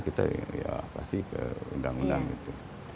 kita ya kasih ke undang undang gitu